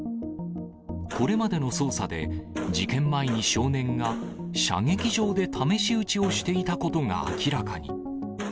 これまでの捜査で、事件前に少年が射撃場で試し撃ちをしていたことが明らかに。